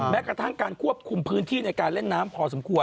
แม้กระทั่งการควบคุมพื้นที่ในการเล่นน้ำพอสมควร